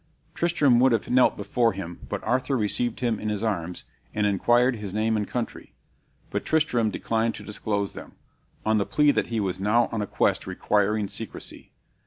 Tristram would have knelt before him, but Arthur received him in his arms, and inquired his name and country; but Tristram declined to disclose them, on the plea that he was now on a quest requiring secrecy.